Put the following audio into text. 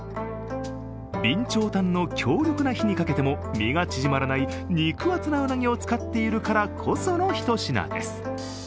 備長炭の強力な火にかけても身が縮まらない肉厚なうなぎを使っているからこそのひと品です。